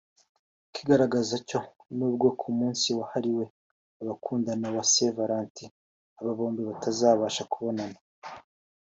Ikigaragara cyo n’ubwo ku munsi wahriwe abakundana wa Saint Valentin aba bombi batazabasha kubonana